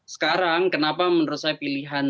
sekarang kenapa menurut saya pilihan